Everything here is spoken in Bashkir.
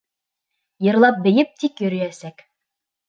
Йырлап-бейеп тик йөрөйәсәк!